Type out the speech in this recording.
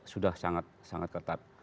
sudah sangat sangat ketat